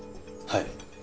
はい。